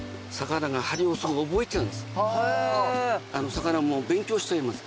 魚も勉強しちゃいます。